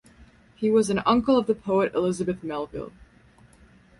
He was an uncle of the poet Elizabeth Melville.